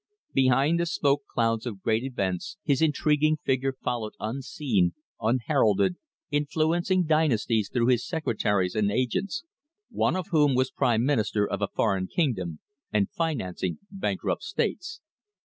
Behind the smoke clouds of great events his intriguing figure followed unseen, unheralded, influencing dynasties through his secretaries and agents one of whom was Prime Minister of a foreign kingdom and financing bankrupt states.